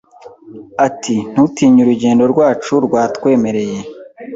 Ati Ntutinye urugendo rwacu rwatwemereye